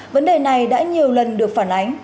vấn đề này đã nhiều lần được phản ánh